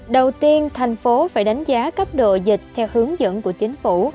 đầu tiên tp hcm phải đánh giá cấp độ dịch theo hướng dẫn của chính phủ